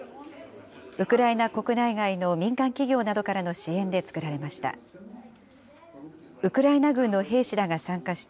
ウクライナ国内外の民間企業などからの支援で作られました。